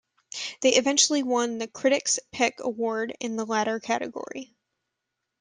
They eventually won the "Critic's Pick" award in the latter category.